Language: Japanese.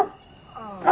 ああ。